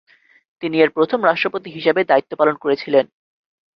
তিনি এর প্রথম রাষ্ট্রপতি হিসাবে দায়িত্ব পালন করেছিলেন।